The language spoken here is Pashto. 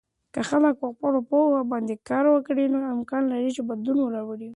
که خلک په خپلو پوهه باندې کار وکړي، نو امکان لري چې بدلون راولي.